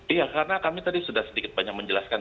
iya karena kami tadi sudah sedikit banyak menjelaskan